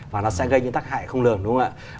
và nó sẽ gây những tác hại không lường đúng không ạ